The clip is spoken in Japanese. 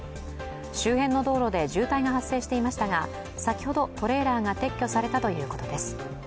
周辺の道路で渋滞が発生していましたが先ほどトレーラーが撤去されたということです。